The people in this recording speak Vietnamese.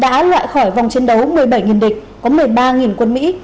đã loại khỏi vòng chiến đấu một mươi bảy địch có một mươi ba quân mỹ